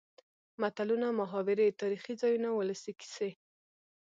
متلونه ،محاورې تاريخي ځايونه ،ولسي کسې.